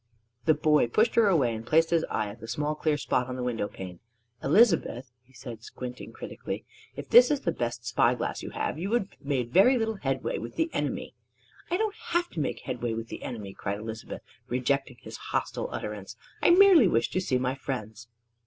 The boy pushed her away, and placed his eye at the small clear spot on the window pane. "Elizabeth," he said, squinting critically, "if this is the best spy glass you have, you would make very little headway with the enemy." "I didn't have to make headway with the enemy!" cried Elizabeth, rejecting his hostile utterance; "I merely wished to see my friends."